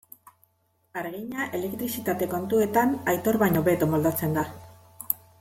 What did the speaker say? Hargina elektrizitate kontuetan Aitor baino hobeto moldatzen da.